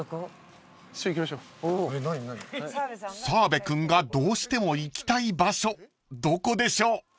［澤部君がどうしても行きたい場所どこでしょう？］